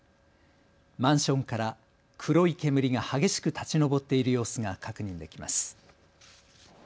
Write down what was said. マンションから黒い煙が激しく立ち上っている様子が確認できます。